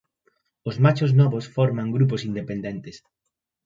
Os machos novos forman grupos independentes.